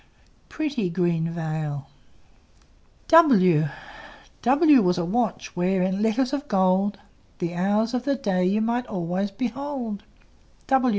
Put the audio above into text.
Pretty green veil! W W was a watch, Where, in letters of gold, The hour of the day You might always behold.